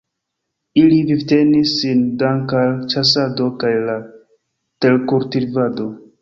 Ili vivtenis sin danke al ĉasado kaj la terkultivado.